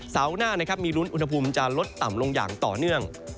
เสาหน้ามีรุ้นอุณหภูมิจะลดต่ำลงอย่างต่อเนื่อง